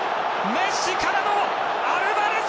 メッシからのアルバレス！